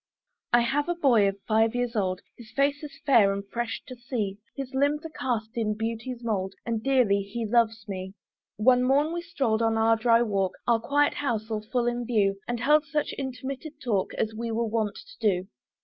I have a boy of five years old, His face is fair and fresh to see; His limbs are cast in beauty's mould, And dearly he loves me. One morn we stroll'd on our dry walk, Our quiet house all full in view, And held such intermitted talk As we are wont to do.